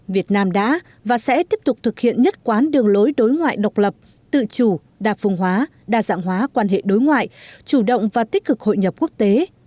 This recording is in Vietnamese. việt nam đã và sẽ tiếp tục thực hiện nhất quán đường lối đối ngoại độc lập tự chủ đa phung hóa đa dạng hóa quan hệ đối ngoại chủ động và tích cực hội nhập quốc tế